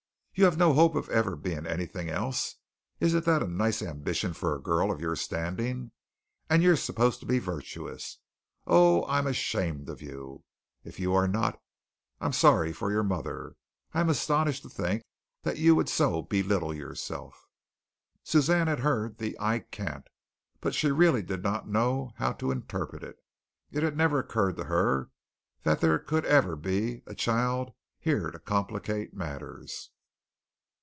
You have no hope of ever being anything else. Isn't that a nice ambition for a girl of your standing? And you are supposed to be virtuous! Oh, I am ashamed of you, if you are not! I am sorry for your mother. I am astonished to think that you would so belittle yourself." Suzanne had heard the "I can't," but she really did not know how to interpret it. It had never occurred to her that there could ever be a child here to complicate matters.